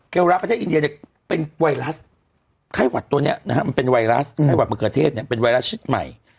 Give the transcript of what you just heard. เกียวระประเทศอินเดียเป็นไวรัสไข้หวัดตัวนี้มันเป็นไวรัสไข้หวัดมะเขือเทศเป็นไวรัสชิดใหม่